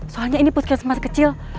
soalnya ini puskir semasa kecil